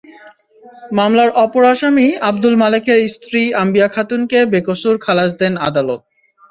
মামলার অপর আসামি আবদুল মালেকের স্ত্রী আম্বিয়া খাতুনকে বেকসুর খালাস দেন আদালত।